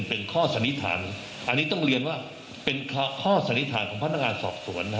เป็นข้อสันนิษฐานอันนี้ต้องเรียนว่าเป็นข้อสันนิษฐานของพนักงานสอบสวน